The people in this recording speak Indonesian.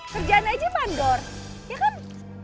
kerjaan aja mandor ya kan